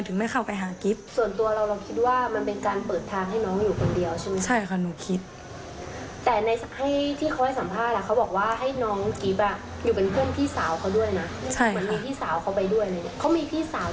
เหมือนมีพี่สาวเขาไปด้วยนะเนี่ยเขามีพี่สาวด้วยใช่ไหมหรือเป็นพี่